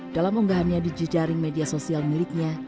dalam unggahannya di jejaring media sosial miliknya